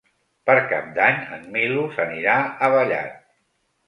Per Cap d'Any en Milos anirà a Vallat.